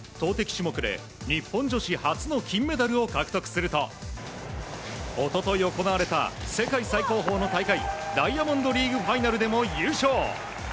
種目で日本女子初の金メダルを獲得すると一昨日行われた世界最高峰の大会ダイヤモンドリーグファイナルでも優勝。